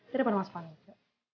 dari depan mas panas